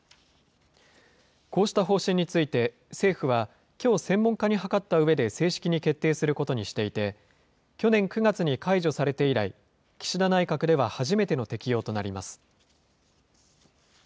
こうした方針について、政府は、きょう専門家に諮ったうえで正式に決定することにしていて、去年９月に解除されて以来、岸田内閣では初めての適用となります。